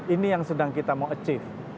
ini yang sedang kita mau achieve